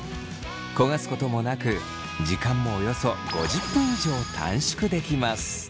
焦がすこともなく時間もおよそ５０分以上短縮できます。